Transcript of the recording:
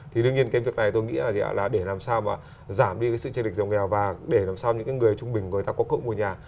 thì đương nhiên cái việc này tôi nghĩ là để làm sao mà giảm đi cái sự chế định giàu nghèo và để làm sao những cái người trung bình người ta có cộng một nhà